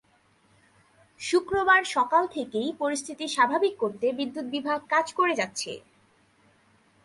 শুক্রবার সকাল থেকেই পরিস্থিতি স্বাভাবিক করতে বিদ্যুৎ বিভাগ কাজ করে যাচ্ছে।